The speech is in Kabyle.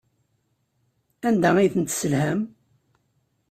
Anda ay ten-tesselham?